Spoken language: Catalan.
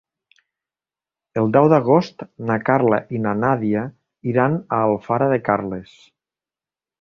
El deu d'agost na Carla i na Nàdia iran a Alfara de Carles.